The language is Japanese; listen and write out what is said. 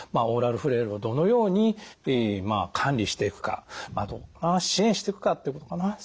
オーラルフレイルをどのように管理していくかどんな支援していくかってことかな。